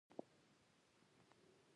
د لوګر غرونه د مقاومت سمبول دي.